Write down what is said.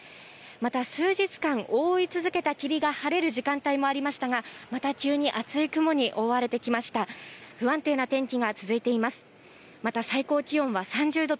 また数日間、覆い続けた霧が晴れる時間帯もありましたがまた急に厚い雲に覆われてきました。